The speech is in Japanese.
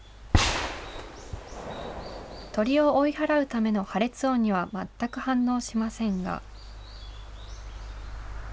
鳥を追い払うための破裂音には全く反応しませんが。